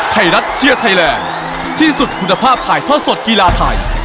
ไทยรัฐเชียร์ไทยแลนด์ที่สุดคุณภาพถ่ายทอดสดกีฬาไทย